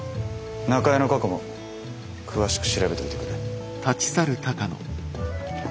中江の過去も詳しく調べといてくれ。